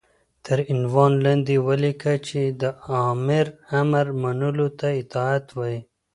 تر عنوان لاندې وليكه چې دآمر امر منلو ته اطاعت وايي